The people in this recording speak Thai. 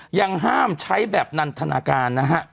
ยังห้ามใช้แบบนันทนาการนะฮะ